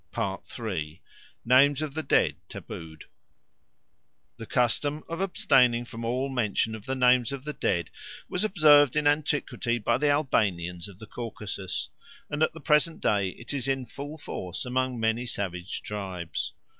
3. Names of the Dead tabooed THE CUSTOM of abstaining from all mention of the names of the dead was observed in antiquity by the Albanians of the Caucasus, and at the present day it is in full force among many savage tribes.